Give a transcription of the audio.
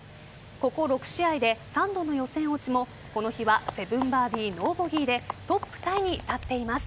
ここ６試合で３度の予選落ちもこの日は７バーディー、ノーボギーでトップタイに立っています。